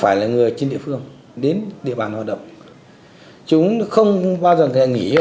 hầu hết các đối tượng này đều là những đối tượng không có nghề nghiệp